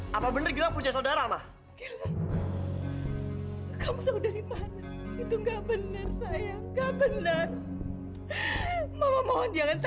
kalau itu nggak betul kenapa mama nangis